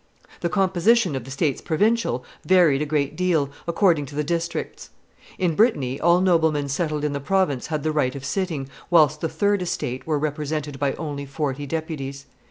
The composition of the states provincial varied a great deal, according to the districts. In Brittany all noblemen settled in the province had the right of sitting, whilst the third estate were represented by only forty deputies.